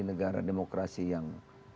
negara demokrasi yang